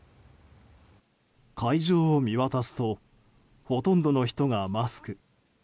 会場を見渡すとほとんどの人がマスク。